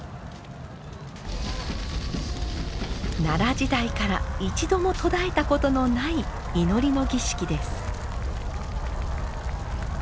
奈良時代から一度も途絶えたことのない祈りの儀式です。